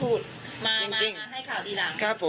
เป็นประหลาดลุ้งในโรคคุณครับ